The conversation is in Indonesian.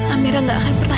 amirah gak akan pernah